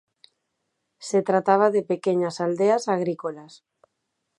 Se trataba de pequeñas aldeas agrícolas.